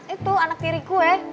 itu anak diri gue